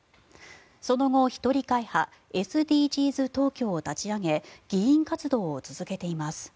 その後、一人会派ＳＤＧｓ東京を立ち上げ議員活動を続けています。